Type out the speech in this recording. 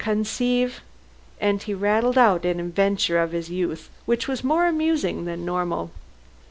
Conceive " and he rattled out an adventure of his youth which was more amusing than moral.